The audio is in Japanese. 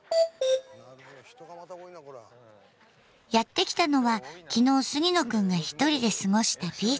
やって来たのは昨日杉野くんが一人で過ごしたビーチ。